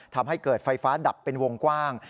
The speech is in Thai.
ทำให้เกิดไฟฟ้าดับเป็นวงกว้าง